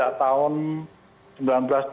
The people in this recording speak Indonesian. saya kira konsepnya seperti itu